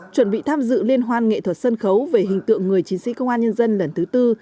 chuẩn bị tham dự liên hoan nghệ thuật sân khấu về hình tượng người chiến sĩ công an nhân dân lần thứ tư